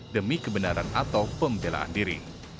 demi kebenaran atau pembelaan diri